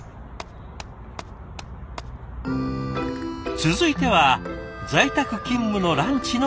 続いては在宅勤務のランチのお話。